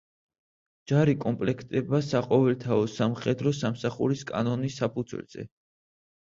ჯარი კომპლექტდება საყოველთაო სამხედრო სამსახურის კანონის საფუძველზე.